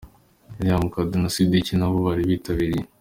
William Kadu na Sidick nabo bari bitabiriye.